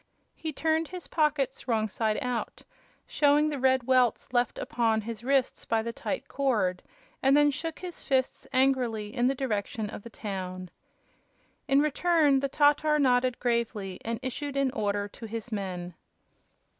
He turned his pockets wrong side out, showed the red welts left upon his wrists by the tight cord, and then shook his fists angrily in the direction of the town. In return the Tatar nodded gravely and issued an order to his men.